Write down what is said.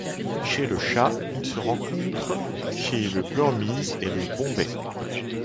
Chez le chat, il se rencontre chez le burmese et le bombay.